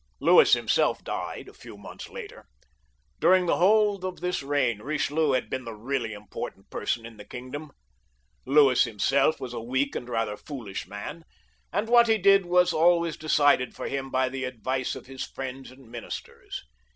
XLiL] LOUIS XIIL 327 Louis himself died a few months later. During the whole of this reign Bichelieu had been the really import ant person in the kingdom. Louis himself was a weak and rather foolish man, and what he did was always de cided for him by the advice of his friends and ministers.